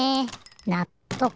なっとく。